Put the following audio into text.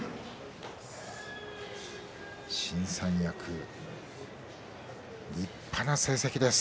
新三役、立派な成績です。